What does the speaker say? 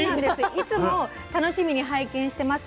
「いつも楽しみに拝見してます。